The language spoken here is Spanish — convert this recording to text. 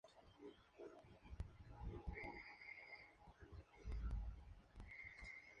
El cementerio adyacente contiene tumbas inusuales que pueden mostrar imágenes.